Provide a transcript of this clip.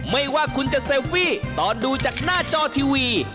ไม่ว่าคุณจะเซลฟี่ตอนดูจากหน้าจอทีวี